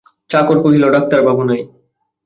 চাকর কহিল, ডাক্তারবাবু নাই।